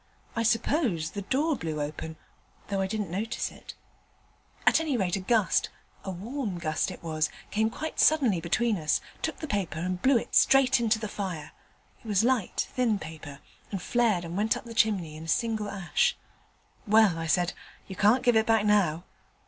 I suppose the door blew open, though I didn't notice it: at any rate a gust a warm gust it was came quite suddenly between us, took the paper and blew it straight into the fire: it was light, thin paper, and flared and went up the chimney in a single ash. "Well," I said, "you can't give it back now."